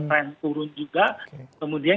trend turun juga kemudian